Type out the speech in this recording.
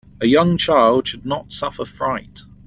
A young child should not suffer fright.